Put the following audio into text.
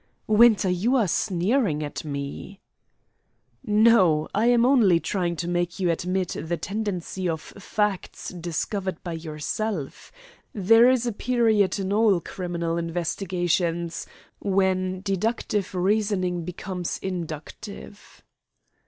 "Winter, you are sneering at me." "No; I am only trying to make you admit the tendency of facts discovered by yourself. There is a period in all criminal investigation when deductive reasoning becomes inductive."